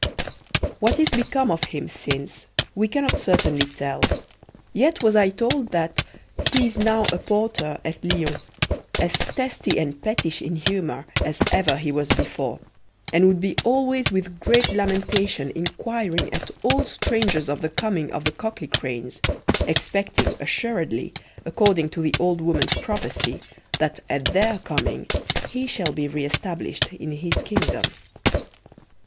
What is become of him since we cannot certainly tell, yet was I told that he is now a porter at Lyons, as testy and pettish in humour as ever he was before, and would be always with great lamentation inquiring at all strangers of the coming of the Cocklicranes, expecting assuredly, according to the old woman's prophecy, that at their coming he shall be re established in his kingdom.